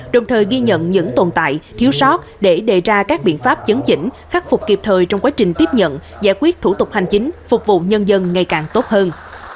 đồng thời ghi nhận những tồn tại thiếu sót để đề ra các biện pháp chấn chỉnh khắc phục kịp thời trong quá trình tiếp nhận giải quyết thủ tục hành chính phục vụ nhân dân ngày càng tốt hơn